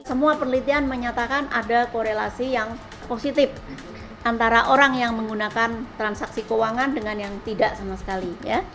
semua penelitian menyatakan ada korelasi yang positif antara orang yang menggunakan transaksi keuangan dengan yang tidak sama sekali